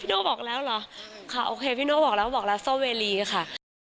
โน่บอกแล้วเหรอค่ะโอเคพี่โน่บอกแล้วบอกลาโซเวรีค่ะ